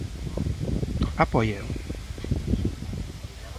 ¿Apóiao?